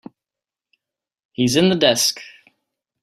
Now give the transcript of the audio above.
He's in the desk.